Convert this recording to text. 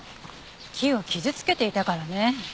木を傷つけていたからね。